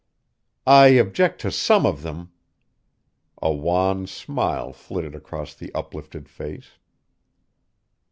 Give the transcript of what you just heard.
"I object to some of them!" A wan smile flitted across the uplifted face.